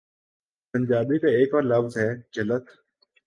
پنجابی کا ایک اور لفظ ہے، ' جھلت‘۔